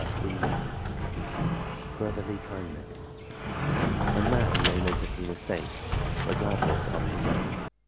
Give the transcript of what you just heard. _Brotherly Kindness A man may make a few mistakes, Regardless of his aim.